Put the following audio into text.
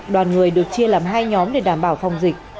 đoàn người được chia làm hai nhóm để đảm bảo phòng dịch